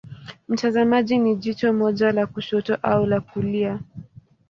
Mtazamaji ni jicho moja la kushoto au la kulia.